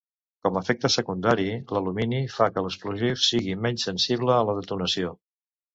Com a efecte secundari, l'alumini fa que l'explosiu sigui menys sensible a la detonació.